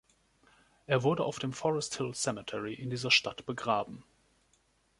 Er wurde auf dem Forest Hill Cemetery in dieser Stadt begraben.